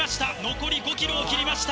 残り５キロを切りました。